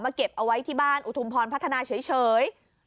เก็บเอาไว้ที่บ้านอุทุมพรพัฒนาเฉย